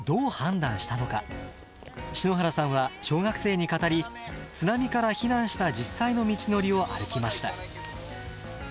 篠原さんは小学生に語り津波から避難した実際の道のりを歩きました。